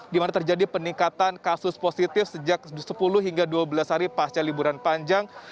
di mana terjadi peningkatan kasus positif sejak sepuluh hingga dua belas hari pasca liburan panjang